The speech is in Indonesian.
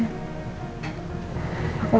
aku gak tahu